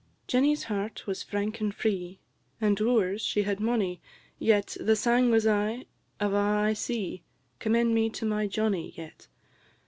"_ Jenny's heart was frank and free, And wooers she had mony, yet The sang was aye, "Of a' I see, Commend me to my Johnnie yet.